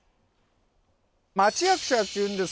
町役者っていうんですけど。